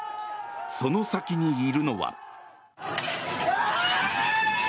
その先にいるのは。